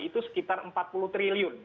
itu sekitar empat puluh triliun